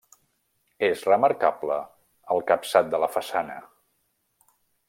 És remarcable el capçat de la façana.